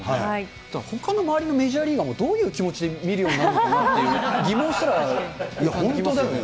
ほかの周りのメジャーリーガーもどういう気持ちで見るふうになるのかなっていう疑問すら湧きますよね。